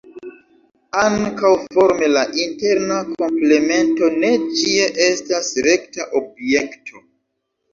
Ankaŭ forme la interna komplemento ne ĉie estas rekta objekto.